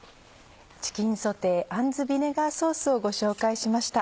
「チキンソテーあんずビネガーソース」をご紹介しました。